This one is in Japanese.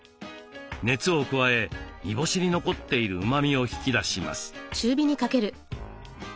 熱を加え煮干しに残っているうまみを引き出します。